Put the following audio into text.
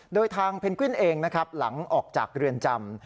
โดยทางเพนกวินเองนะครับหลังออกจากเรือนจำ